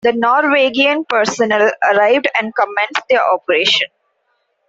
The Norwegian personnel arrived and commenced their operation.